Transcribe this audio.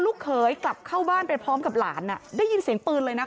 เขยกลับเข้าบ้านไปพร้อมกับหลานอ่ะได้ยินเสียงปืนเลยนะ